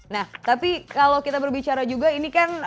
nah tapi kalau kita berbicara juga ini kan